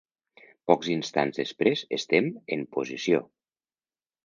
Pocs instants després estem en posició.